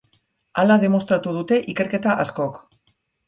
Hala demostratu dute ikerketa askok.